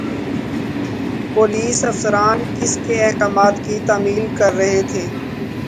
Police افسران کس کے احکامات کی تعمیل کر رہے تھے؟